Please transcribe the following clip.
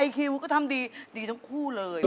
คิวก็ทำดีดีทั้งคู่เลย